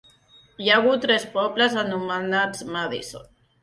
Hi ha hagut tres pobles anomenats Madison.